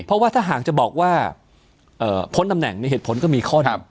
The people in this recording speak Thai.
เพราะว่าถ้าหากจะบอกว่าพ้นตำแหน่งในเหตุผลก็มีข้อหนึ่ง